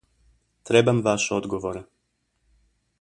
Trebam vaš odgovor.